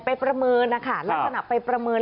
ประเมินนะคะลักษณะไปประเมิน